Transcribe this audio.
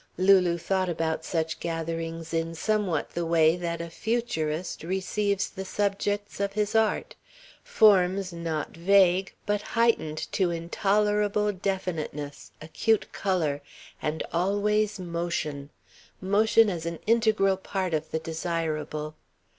Lulu thought about such gatherings in somewhat the way that a futurist receives the subjects of his art forms not vague, but heightened to intolerable definiteness, acute colour, and always motion motion as an integral part of the desirable.